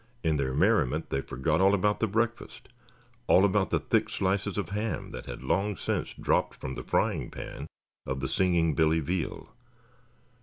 In their merriment they forgot all about the breakfast, all about the thick slices of ham that had long since dropped from the frying pan of the singing Billy Veal.